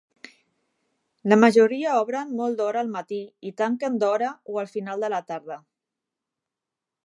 La majoria obren molt d'hora al matí i tanquen d'hora o al final de la tarda.